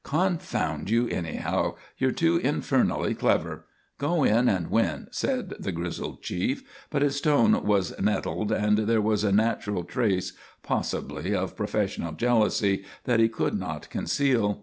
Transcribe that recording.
"Confound you anyhow. You're too infernally clever. Go in and win," said the grizzled chief, but his tone was nettled and there was a natural trace, possibly, of professional jealousy that he could not conceal.